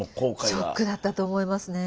ショックだったと思いますね。